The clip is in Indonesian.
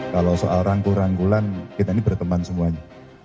kalau soal rangkul rangkulan kita ini berteman semuanya